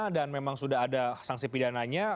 dan memang sudah ada sanksi pidananya